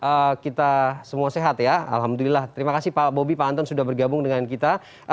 oke kita semua sehat ya alhamdulillah terima kasih pak bobby pak anton sudah bergabung dengan kita